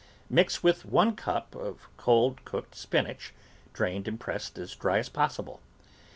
Mix with one cup of cold cooked spinach, drained and pressed as dry as possible.